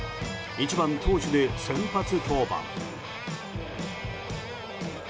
１番投手で先発登板。